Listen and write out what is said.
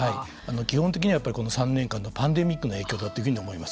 基本的にはこの３年間のパンデミックの影響だというふうに思います。